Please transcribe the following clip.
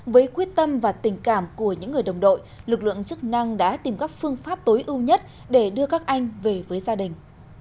với quyết tâm và tình cảm của những người đồng đội lực lượng chức năng đã tìm các phương pháp tối ưu nhất để đưa các anh về với gia đình